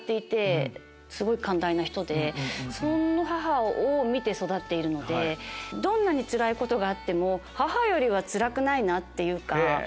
その母を見て育っているのでどんなにつらいことがあっても母よりはつらくないなって。